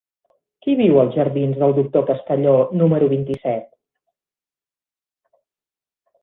Qui viu als jardins del Doctor Castelló número vint-i-set?